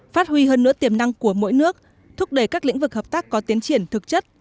phát huy hơn nữa tiềm năng của mỗi nước thúc đẩy các lĩnh vực hợp tác có tiến triển thực chất